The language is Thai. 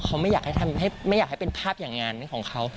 เขาไม่อยากให้เป็นภาพอย่างงานของเขา